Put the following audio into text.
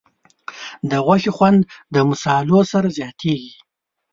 د غوښې خوند د مصالحو سره زیاتېږي.